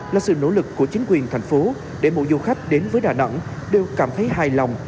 là sự nỗ lực của chính quyền thành phố để mỗi du khách đến với đà nẵng đều cảm thấy hài lòng